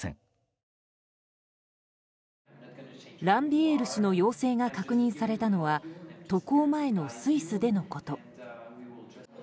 ランビエール氏の陽性が確認されたのは渡航前のスイスでのこと。